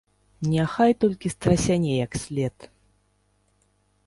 Няхай толькі страсяне як след!